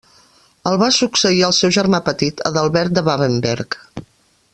El va succeir el seu germà petit Adalbert de Babenberg.